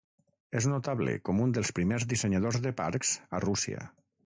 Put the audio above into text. És notable com un dels primers dissenyadors de parcs a Rússia.